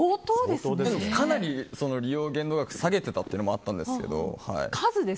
でもかなり利用限度額を下げてたっていうのもあったんですけど。